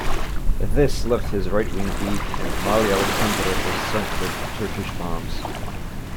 This left his right wing weak, and "Malyi Aleksandr" was sunk by Turkish bombs.